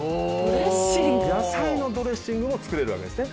野菜のドレッシングも作れるわけですね。